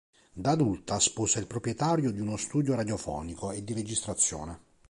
Da adulta, sposa il proprietario di uno studio radiofonico e di registrazione.